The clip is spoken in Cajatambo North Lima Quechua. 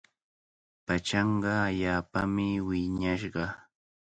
Pachanqa allaapami wiñashqa.